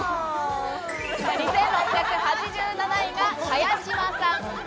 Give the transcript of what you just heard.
２６８７位が茅島さん。